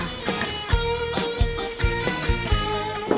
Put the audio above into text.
kamu sedih kenapa